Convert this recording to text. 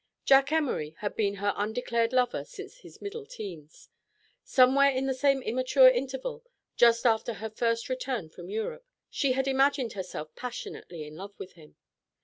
Jack Emory had been her undeclared lover since his middle teens. Somewhere in the same immature interval, just after her first return from Europe, she had imagined herself passionately in love with him.